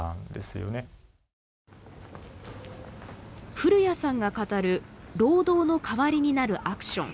古屋さんが語る労働の代わりになるアクション。